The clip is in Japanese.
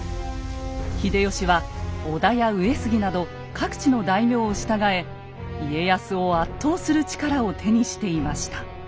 秀吉は織田や上杉など各地の大名を従え家康を圧倒する力を手にしていました。